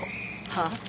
はあ？